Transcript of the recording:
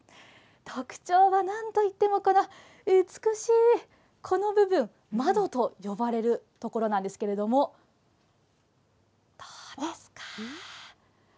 特徴はなんといってもこの美しいこの部分、窓と呼ばれるところなんですけれども、どうですか。